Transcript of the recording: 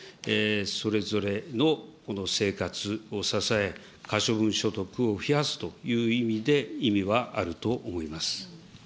それぞれの生活を支え、可処分所得を増やすという意味で、意味はあると思います。